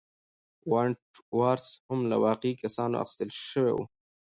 وُنت وُرث هم له واقعي کسانو اخیستل شوی و.